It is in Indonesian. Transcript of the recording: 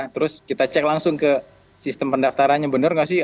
terus kita cek langsung ke sistem pendaftarannya benar nggak sih